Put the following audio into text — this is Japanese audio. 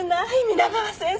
皆川先生！